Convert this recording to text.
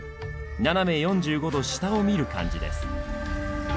斜め４５度下を見る感じです。